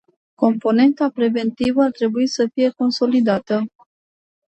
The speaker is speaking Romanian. Componenta preventivă ar trebui să fie consolidată.